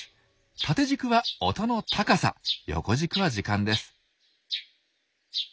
縦軸は音の高さ横軸は時間です。